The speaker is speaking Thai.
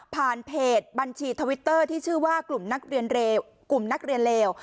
ผ่านเพจบัญชีทวิตเตอร์ที่ชื่อว่ากลุ่มนักเรียนเลว